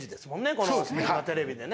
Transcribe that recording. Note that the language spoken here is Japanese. このテレビでね。